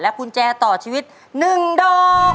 และกุญแจต่อชีวิต๑โด